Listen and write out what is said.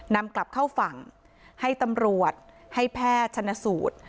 นำกลับเข้าฝั่งให้ตำรวจให้แพทย์ชนสูตร